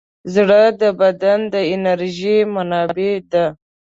زړه د بدن د انرژۍ منبع ده.